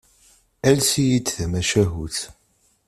Ales-iyi-d tamacahut.